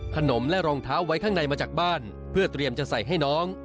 ขนมและรองเท้าไว้ข้างในมาจากบ้านเพื่อเตรียมจะใส่ให้น้อง